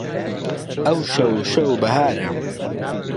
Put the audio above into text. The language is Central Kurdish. ئەوشەو شەو بەهارە